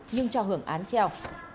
nhưng cho hưởng án treo